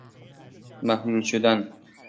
محلول شدن